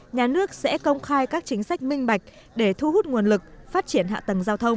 nhà nước sẽ công khai các chính sách minh bạch để thu hút nguồn lực phát triển hạ tầng giao thông